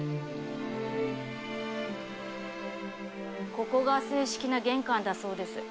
ここが正式な玄関だそうです。